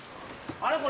あれこれ。